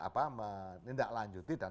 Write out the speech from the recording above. apa menindaklanjuti dan